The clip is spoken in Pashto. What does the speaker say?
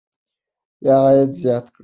یا عاید زیات کړئ.